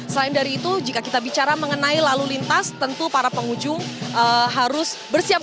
selain dari itu jika kita bicara mengenai lalu lintas tentu para pengunjung harus bersiap